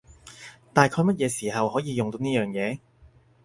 大概乜嘢時候可以用到呢樣嘢？